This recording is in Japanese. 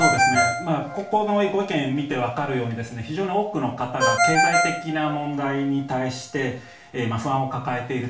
ここのご意見を見てわかるように非常に多くの方が経済的な問題に対して不安を抱えていると。